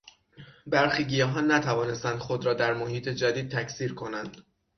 برخی گیاهان نتوانستند خود را در محیط جدید تکثیر کنند.